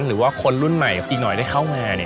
หรือว่าคนรุ่นใหม่อีกหน่อยได้เข้ามา